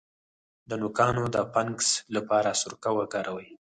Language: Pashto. د نوکانو د فنګس لپاره سرکه وکاروئ